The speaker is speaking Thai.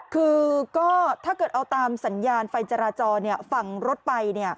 คือก็ถ้าเกิดเอาตามสัญญาณไฟจราจรฝั่งรถไป